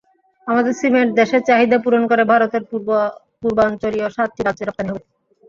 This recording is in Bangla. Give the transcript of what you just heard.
আমাদের সিমেন্ট দেশের চাহিদা পূরণ করে ভারতের পূর্বাঞ্চলীয় সাতটি রাজ্যে রপ্তানি হবে।